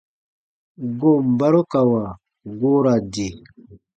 Goon barukawa goo ra di.